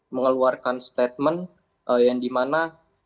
mengeluarkan statement yang dimana